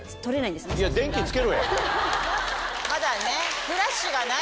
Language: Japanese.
まだね。